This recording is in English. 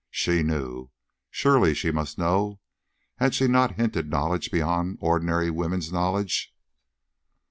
SHE knew; surely she must know. Had she not hinted knowledge beyond ordinary women's knowledge?